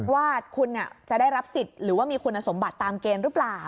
ว่าคุณจะได้รับสิทธิ์หรือว่ามีคุณสมบัติตามเกณฑ์หรือเปล่า